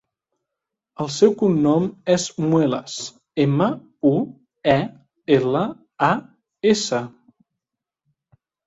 El seu cognom és Muelas: ema, u, e, ela, a, essa.